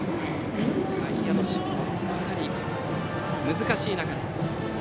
外野の守備もかなり難しい中。